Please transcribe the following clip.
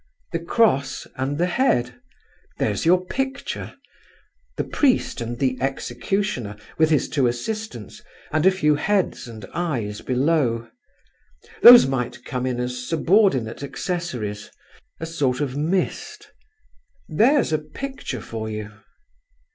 The cross and the head—there's your picture; the priest and the executioner, with his two assistants, and a few heads and eyes below. Those might come in as subordinate accessories—a sort of mist. There's a picture for you."